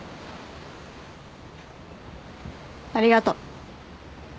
ありがとう。